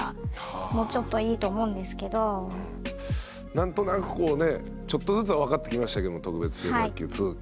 何となくこうねちょっとずつは分かってきましたけども特別支援学級通級。